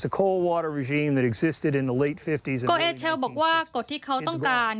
โอเอเชลบอกว่ากฎที่เขาต้องการ